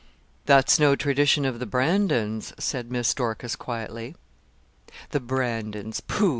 'That's no tradition of the Brandons,' said Miss Dorcas, quietly. 'The Brandons pooh!